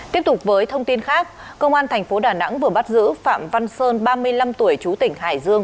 tiếp tục với thông tin khác cơ quan tp đà nẵng vừa bắt giữ phạm văn sơn ba mươi năm tuổi chú tỉnh hải dương